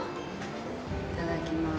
いただきます。